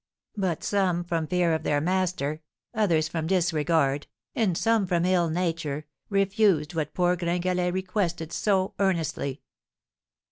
But some from fear of their master, others from disregard, and some from ill nature, refused what poor Gringalet requested so earnestly."